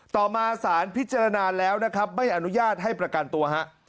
ต่อมาสารพิจารณาแล้วนะครับไม่อนุญาตให้ประกันตัวฮะ